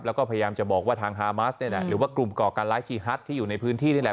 แล้วก็พยายามจะบอกว่าทางฮามัสนี่แหละหรือว่ากลุ่มก่อการร้ายคีฮัทที่อยู่ในพื้นที่นี่แหละ